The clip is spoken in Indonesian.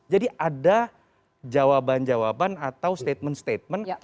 jadi ada jawaban jawaban atau statement statement